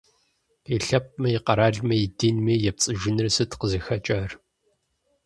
И лъэпкъми, и къэралми, и динми епцӀыжыныр сыт къызыхэкӀар?